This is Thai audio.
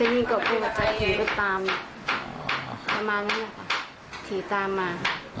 อันนี้ก็พูดว่าจะถี่ไปตามประมาณนั้นแหละค่ะถี่ตามมา